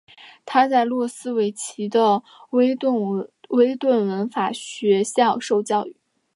他在诺斯威奇的威顿文法学校受教育。